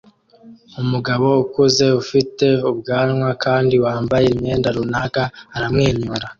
Umugabo ukuze ufite ubwanwa kandi wambaye imyenda runaka aramwenyura